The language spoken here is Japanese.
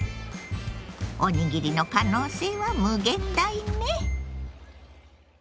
おにぎりの可能性は無限大ね。